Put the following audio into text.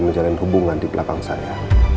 menjalin hubungan di belakang saya